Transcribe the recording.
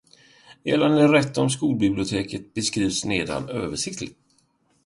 Gällande rätt om skolbibliotek beskrivs nedan översiktligt.